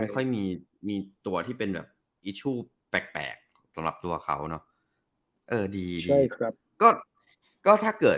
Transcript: มันไม่ค่อยมีตัวที่เป็นแบบอีชูแปลกสำหรับตัวเขาเนาะเออดี